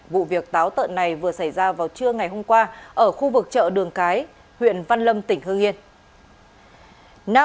vụ việc táo tận này vừa xảy ra vào trưa ngày hôm qua ở khu vực chợ đường cái huyện văn lâm tỉnh hương yên